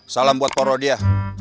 salam buat pak rodia